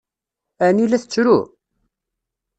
Ɛni la tettru?